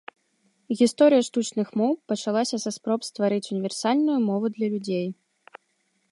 Гісторыя штучных моў пачалася са спроб стварыць універсальную мову для людзей.